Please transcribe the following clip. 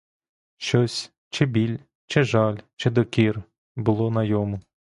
Щось — чи біль, чи жаль, чи докір — було на йому.